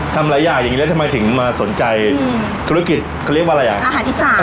ทำหลายอย่างอย่างนี้แล้วทำไมถึงมาสนใจธุรกิจเขาเรียกว่าอะไรอ่ะอาหารอีสาน